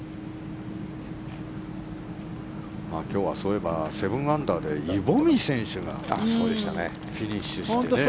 今日はそういえば７アンダーでイ・ボミ選手がフィニッシュしてね。